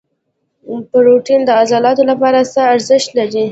پروټین د عضلاتو لپاره څه ارزښت لري؟